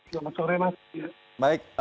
selamat sore mas